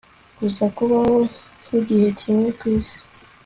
Gusa kubaho nkigihe kimwe kwisi